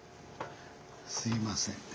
すいませんね。